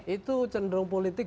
itu cenderung politik